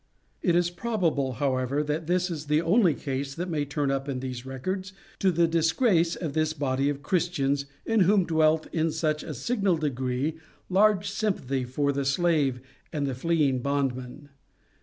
It is probable, however, that this is the only case that may turn up in these records to the disgrace of this body of Christians in whom dwelt in such a signal degree large sympathy for the slave and the fleeing bondman.